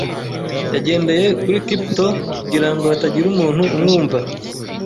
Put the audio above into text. Yagendeye kuri tiptoe kugirango hatagira umuntu umwumva.